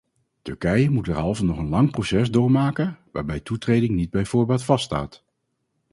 Turkije moet derhalve nog een lang proces doormaken, waarbij toetreding niet bij voorbaat vaststaat.